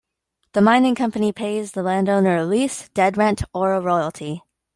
The mining company pays the landowner a lease, dead rent or a royalty.